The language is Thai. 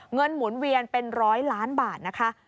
หมุนเวียนเป็นร้อยล้านบาทนะคะ